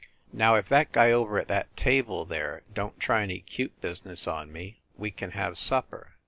"Now, if that guy over at that table there don t try any cute business on me, we can have supper."